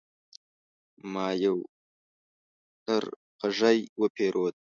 ما يو لرغږی وپيرود